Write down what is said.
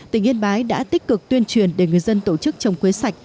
tỉnh yên bái đã tích cực tuyên truyền để người dân tổ chức trồng quế sạch